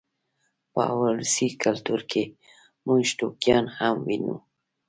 په ولسي کلتور کې موږ ټوکیان هم وینو.